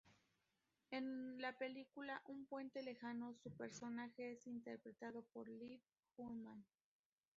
En la película "Un puente lejano" su personaje es interpretado por Liv Ullmann.